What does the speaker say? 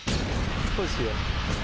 どうしよう？